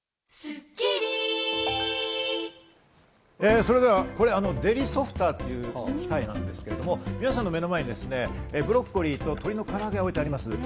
それではここにデリソフターという機械なんですけど、皆さんの目の前にブロッコリーと鶏のから揚げが置いてあります。